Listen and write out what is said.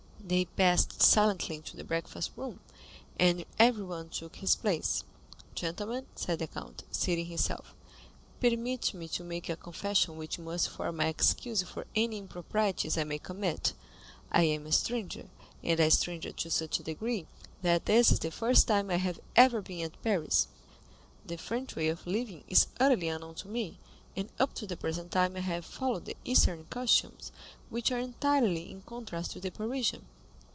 They passed silently into the breakfast room, and everyone took his place. "Gentlemen," said the count, seating himself, "permit me to make a confession which must form my excuse for any improprieties I may commit. I am a stranger, and a stranger to such a degree, that this is the first time I have ever been at Paris. The French way of living is utterly unknown to me, and up to the present time I have followed the Eastern customs, which are entirely in contrast to the Parisian.